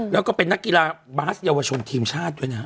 แล้วก็เป็นนักกีฬาบาสเยาวชนทีมชาติด้วยนะ